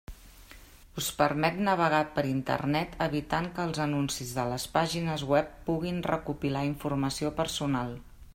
Us permet navegar per Internet evitant que els anuncis de les pàgines web puguin recopilar informació personal.